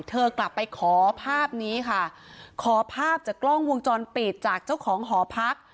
เธอกลับไปขอภาพนี้ค่ะขอภาพจากกล้องวงจรปิดจากเจ้าของหอพัก